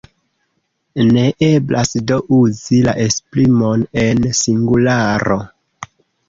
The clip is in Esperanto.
Ne eblas do uzi la esprimon en singularo.